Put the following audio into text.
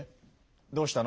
どうしたの？